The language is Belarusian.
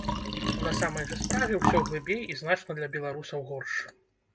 На самай жа справе ўсё глыбей і значна для беларусаў горш.